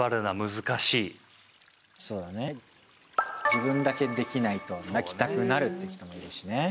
「自分だけできないと泣きたくなる」っていう人もいるしね。